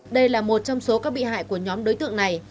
đây là một trong số các bị hại của nhóm đối tượng này